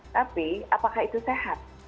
tapi apakah itu sehat